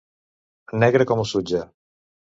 Negre com el sutge.